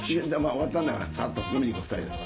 終わったんだからさ飲みに行こ２人で。